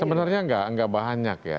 sebenarnya enggak enggak banyak ya